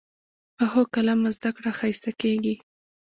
پخو قلمه زده کړه ښایسته کېږي